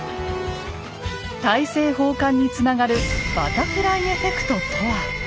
大政奉還につながるバタフライエフェクトとは。